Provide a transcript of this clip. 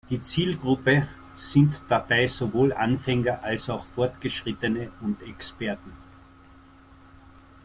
Die Zielgruppe sind dabei sowohl Anfänger als auch Fortgeschrittene und Experten.